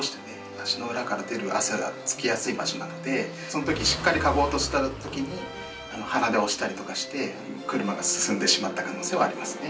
足の裏から出る汗がつきやすい場所なのでその時しっかり嗅ごうとした時に鼻で押したりとかして車が進んでしまった可能性はありますね。